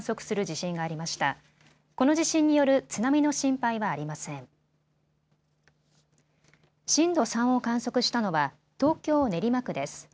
震度３を観測したのは東京練馬区です。